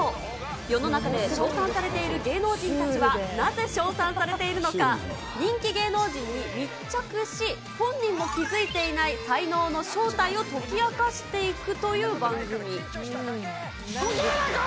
世の中で称賛されている芸能人たちはなぜ称賛されているのか、人気芸能人に密着し、本人も気付いていない才能の正体を解き明かうそやないか！